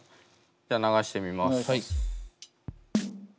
じゃあ流してみます。